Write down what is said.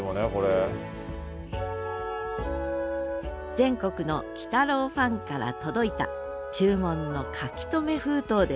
全国の「鬼太郎」ファンから届いた注文の書留封筒です。